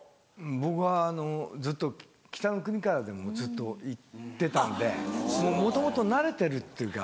僕はずっと『北の国から』でもずっと行ってたんでもともと慣れてるっていうか。